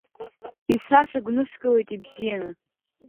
Исахьа гәныскылеит ибзианы.